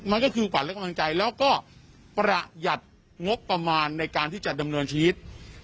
มันก็คือขวัญและกำลังใจแล้วก็ประหยัดงบประมาณในการที่จะดำเนินชีวิต